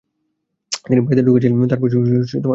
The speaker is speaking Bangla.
তিনি বাড়িতে ঢুকেছিলেন, তার পরে আবার চলে গেলেন।